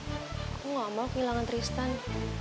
aku gak mau kehilangan tristan